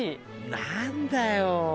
何だよ。